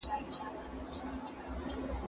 زه اوږده وخت د سبا لپاره د ژبي تمرين کوم!؟